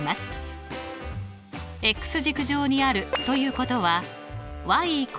軸上にあるということは＝